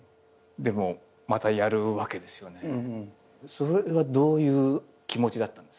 それはどういう気持ちだったんですか？